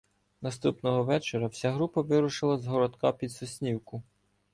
Наступного вечора вся група вирушила з Городка під Соснівку.